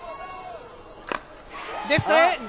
レフトへ。